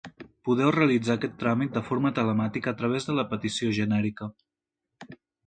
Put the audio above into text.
Podeu realitzar aquest tràmit de forma telemàtica a través de la petició genèrica.